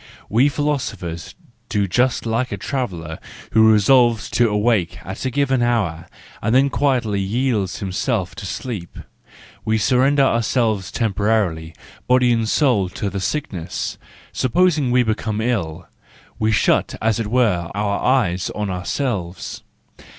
We philosophers do just 4 THE JOYFUL WISDOM like a traveller who resolves to awake at a given hour, and then quietly yields himself to sleep: we surrender ourselves temporarily, body and soul, to the sickness, supposing we become ill—we shut, as it were, our eyes on ourselves.